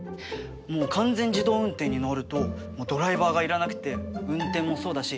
もう完全自動運転になるともうドライバーが要らなくて運転もそうだし